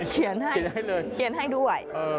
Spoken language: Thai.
เขียนให้เลยเขียนให้ด้วย